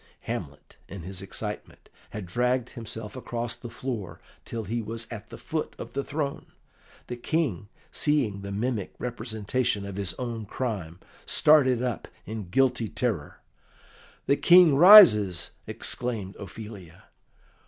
Hamlet, in his excitement, had dragged himself across the floor till he was at the foot of the throne. The King, seeing the mimic representation of his own crime, started up in guilty terror. "The King rises!" exclaimed Ophelia.